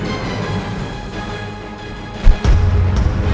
aku masih kemana